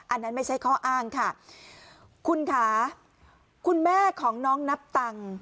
อันนั้นไม่ใช่ข้ออ้างค่ะคุณค่ะคุณแม่ของน้องนับตัง